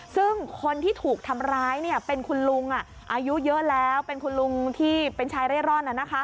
ซึ่งคนที่ถูกทำร้ายเป็นคุณลุงอายุเยอะแล้วเป็นคุณลุงที่เป็นชายเร่ร่อน